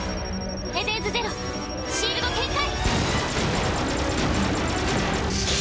エデンズゼロシールド展開！